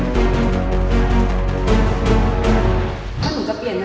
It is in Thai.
เจ้าอยู่ไหน